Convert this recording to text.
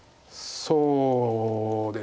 そうですね。